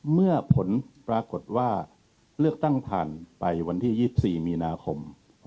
เมื่อผลปรากฏว่าเลือกตั้งผ่านไปวันที่๒๔มีนาคม